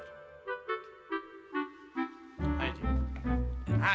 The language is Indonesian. kejahatan kita sudah berakhir